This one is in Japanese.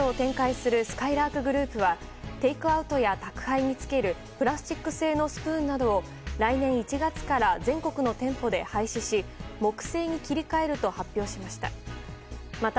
すかいらーくグループはテイクアウトや宅配につけるプラスチック製のスプーンなどを来年１月から全国の店舗で廃止し木製に切り替えると発表しました。